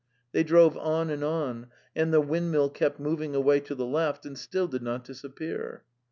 They drove on and on, and the windmill kept moving away to the left, and still did not disappear.